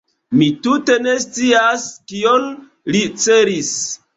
Mi tute ne scias kion li celis.